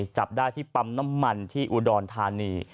จับได้ที่ปั๊มน้ำมันที่อุดรธานี